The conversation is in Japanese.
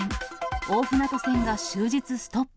大船渡線が終日ストップ。